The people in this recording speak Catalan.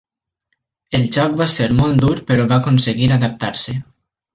El xoc va ser molt dur però va aconseguir adaptar-se.